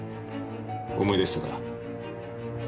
思い出したか？